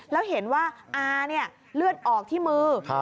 แล้วเห็นว่าอาเนี่ยเลือดออกที่มือ